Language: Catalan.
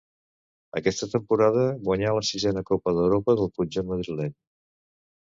Aquesta temporada, guanyà la sisena Copa d'Europa del conjunt madrileny.